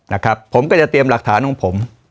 นะครับผมก็จะเตรียมหลักฐานของผม